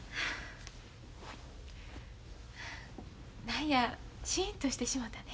何やシーンとしてしもたね。